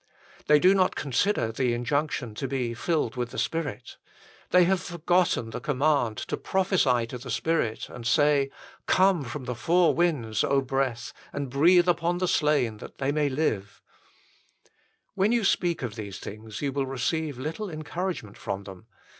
They do not consider the injunction to be " filled with the Spirit." They have forgotten the 1 Rev. iii. 17. HOW FULLY IT IS ASSURED TO US BY GOD 145 command to prophesy to the Spirit and say :" Come from the four winds, Breath, and breathe upon the slain, that they may live." l When you speak of these things you will receive little encouragement from them.